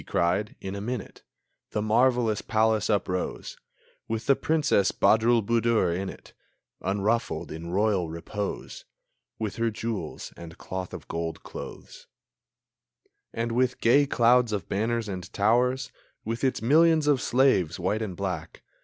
he cried. In a minute The marvellous palace uprose, With the Princess Badroulboudour in it Unruffled in royal repose, With her jewels and cloth of gold clothes; And with gay clouds of banners and towers, With its millions of slaves, white and black.